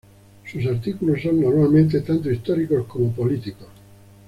Sus artículos son normalmente tanto históricos como políticos.